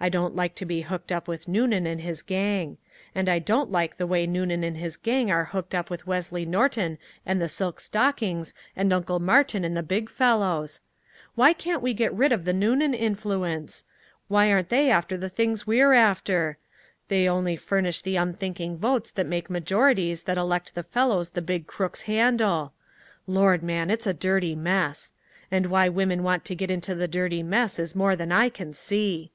I don't like to be hooked up with Noonan and his gang. And I don't like the way Noonan and his gang are hooked up with Wesley Norton and the silk stockings and Uncle Martin and the big fellows. Why can't we get rid of the Noonan influence? They aren't after the things we're after! They only furnish the unthinking votes that make majorities that elect the fellows the big crooks handle. Lord, man, it's a dirty mess! And why women want to get into the dirty mess is more than I can see."